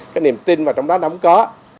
cái niềm tin mà trong đó nó không có